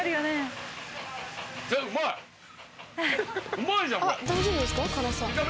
うまいじゃんこれ。